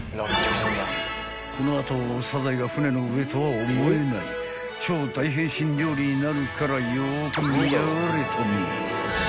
［この後サザエが船の上とは思えない超大変身料理になるからよく見やがれトミー］